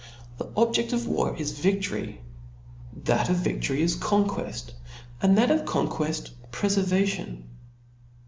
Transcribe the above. The objed of war is viftory •, that of victory is conqueft; and that of conqueft prefer vation.